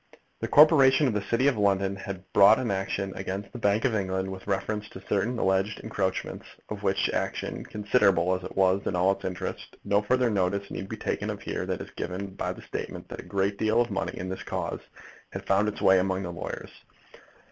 The Corporation of the City of London had brought an action against the Bank of England with reference to certain alleged encroachments, of which action, considerable as it was in all its interests, no further notice need be taken here than is given by the statement that a great deal of money in this cause had found its way among the lawyers.